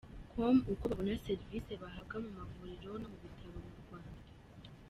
com uko babona serivisi bahabwa mu mavuriro no mu bitaro mu Rwanda.